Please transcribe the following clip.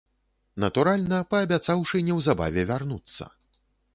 Натуральна, паабяцаўшы неўзабаве вярнуцца.